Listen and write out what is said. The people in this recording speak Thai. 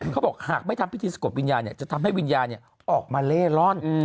เขาบอกหากไม่ทำพิธีสะกดวิญญาณจะทำให้วิญญาณออกมาเล่ร่อน